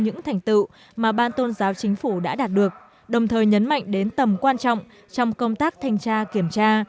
những thành tựu mà ban tôn giáo chính phủ đã đạt được đồng thời nhấn mạnh đến tầm quan trọng trong công tác thanh tra kiểm tra